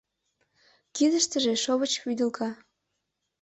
Кидыштыже шовыч вӱдылка.